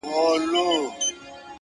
لوړ فکر د نوښتونو سرچینه ده